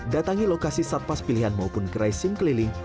datangi lokasi satpas pilihan maupun gerai sim keliling